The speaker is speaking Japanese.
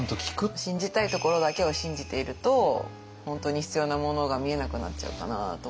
信じたいところだけを信じていると本当に必要なものが見えなくなっちゃうかなとは。